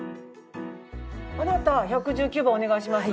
あなた１１９番お願いします。